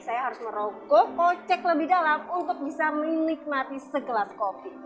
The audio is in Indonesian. saya harus merogoh kocek lebih dalam untuk bisa menikmati segelas kopi